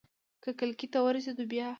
که کلکې ته ورسېدو بيا؟